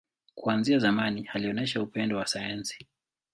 Kuanzia zamani, alionyesha upendo wa sayansi.